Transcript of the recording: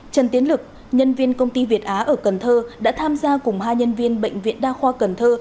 trần tiến lực nhân viên công ty việt á ở cần thơ đã tham gia cùng hai nhân viên bệnh viện đa khoa cần thơ